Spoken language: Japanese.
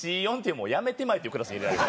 もうやめてまえっていうクラスに入れられて。